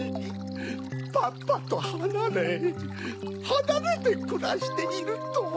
パパとはなれはなれてくらしているとは。